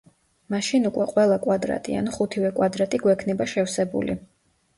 მაშინ უკვე ყველა კვადრატი, ანუ ხუთივე კვადრატი გვექნება შევსებული.